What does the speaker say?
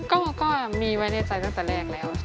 ก็มีไว้ในใจตั้งแต่แรกแล้ว